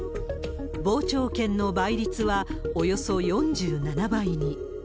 傍聴券の倍率はおよそ４７倍に。